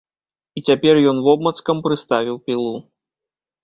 І цяпер ён вобмацкам прыставіў пілу.